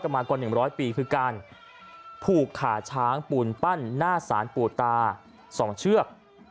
กันมากว่าหนึ่งร้อยปีคือการผูกขอช้างปูนปั้นหน้าสารปู่ตาสองเชือก